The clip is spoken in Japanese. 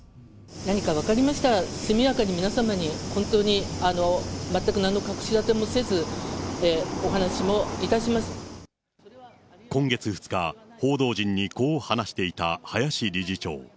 何か分かりましたら、速やかに皆様に、本当に、全くなんの隠し立てもせず、今月２日、報道陣にこう話していた林理事長。